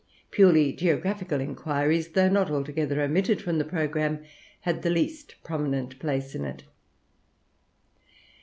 Purely geographical inquiries, though not altogether omitted from the programme, had the least prominent place in it.